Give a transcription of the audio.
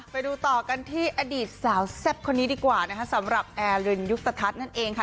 ไปดูต่อกันที่อดีตสาวแซ่บคนนี้ดีกว่านะคะสำหรับแอร์รินยุคตทัศน์นั่นเองค่ะ